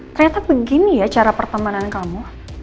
ternyata begini ya cara pertemanan kamu